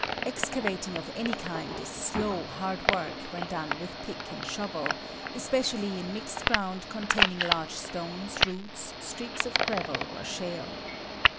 Excavating of any kind is slow, hard work when done with pick and shovel, especially in mixed ground containing large stones, roots, streaks of gravel or shale.